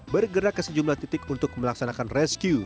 bergerak ke sejumlah titik untuk melaksanakan rescue